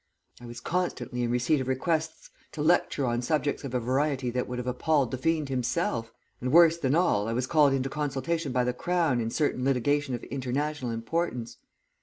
I was constantly in receipt of requests to lecture on subjects of a variety that would have appalled the fiend himself, and worse than all I was called into consultation by the Crown in certain litigation of international importance.